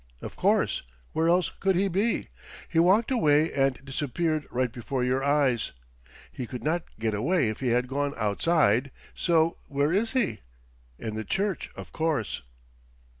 "Of course. Where else could he be? He walked away and disappeared right before your eyes. He could not get away if he had gone outside. So where is he? In the church, of course."